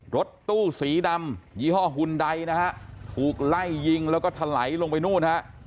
รถตู้สีดำยี่ห้อหุ่นใดนะฮะถูกไล่ยิงแล้วก็ถลายลงไปนู่นฮะ